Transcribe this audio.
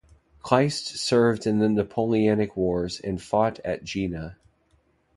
Kleist served in the Napoleonic Wars and fought at Jena.